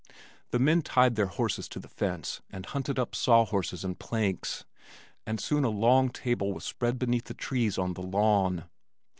The men tied their horses to the fence and hunted up saw horses and planks, and soon a long table was spread beneath the trees on the lawn.